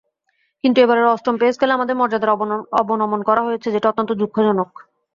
কিন্তু এবারের অষ্টম পে-স্কেলে আমাদের মর্যাদার অবনমন করা হয়েছে, যেটা অত্যন্ত দুঃখজনক।